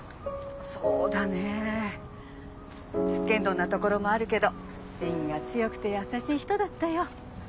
そうだねえつっけんどんなところもあるけど芯が強くて優しい人だったよ。